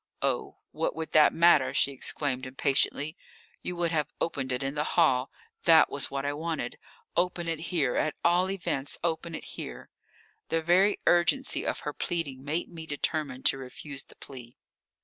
"Oh, what would that matter?" she exclaimed impatiently. "You would have opened it in the hall. That was what I wanted. Open it here! At all events open it here!" The very urgency of her pleading made me determined to refuse the plea.